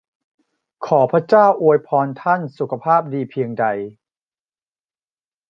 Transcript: ขอพระเจ้าอวยพรท่านสุขภาพดีเพียงใด!